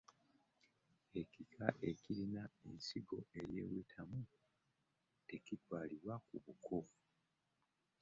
Ekita ekirina ensingo eyeewetamu tekitwalibwa ku buko.